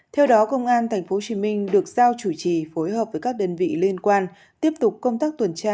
theo đó công an tp hcm được giao chủ trì phối hợp với các đơn vị liên quan tiếp tục công tác tuần tra